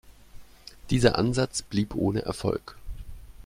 Dieser Ansatz blieb ohne Erfolg.